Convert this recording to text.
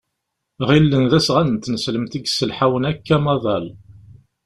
Ɣillen d asɣan n tneslemt i yesselḥawen akk amaḍal.